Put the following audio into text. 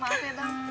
maaf ya bang